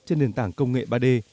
trên nền tảng công nghệ ba d